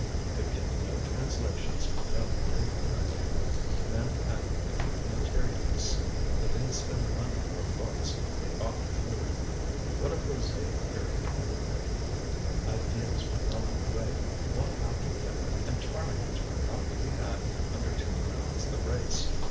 He could get no translations, no proof correcting. Men had become materialists. They didnŌĆÖt spend money on books, they bought food. What a prosaic period we were living in! Ideals were melting away, one after the other, and ptarmigans were not to be had under two crowns the brace.